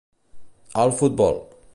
al futbol.